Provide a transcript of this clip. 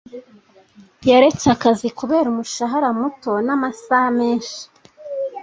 Yaretse akazi kubera umushahara muto n'amasaha menshi.